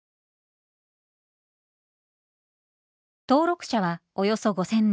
登録者はおよそ５，０００人。